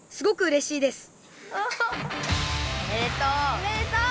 おめでとう。